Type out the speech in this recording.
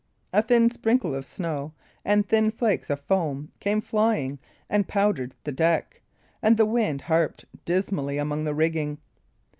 A thin sprinkle of snow and thin flakes of foam came flying, and powdered the deck; and the wind harped dismally among the rigging.